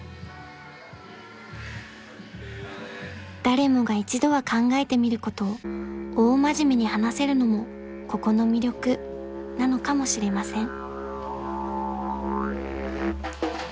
［誰もが一度は考えてみることを大真面目に話せるのもここの魅力なのかもしれません］